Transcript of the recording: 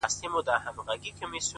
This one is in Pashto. زه چـي په باندي دعوه وكړم!!